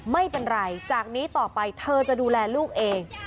ไม่เป็นไรจากนี้ต่อไปเธอจะดูแลลูกเอง